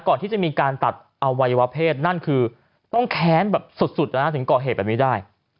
ก่อนที่จะมีการตัดอวัยวะเพศนั่นคือต้องแค้นแบบสุดนะถึงก่อเหตุแบบนี้ได้